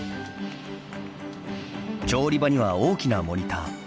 調理場には大きなモニター。